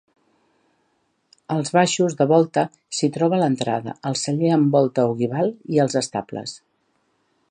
Als baixos, de volta, s'hi troba l'entrada, el celler amb volta ogival i els estables.